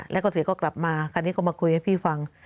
แล้วก็เสียก็กลับมาคราวนี้ก็มาคุยให้พี่ฟัง